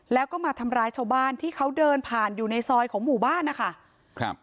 แล้วก็มาทำร้ายชาวบ้านที่เขาเดินผ่านอยู่ในซอยของหมู่บ้านนะคะครับ